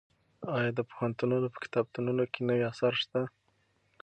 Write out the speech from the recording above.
ایا د پوهنتونونو په کتابتونونو کې نوي اثار شته؟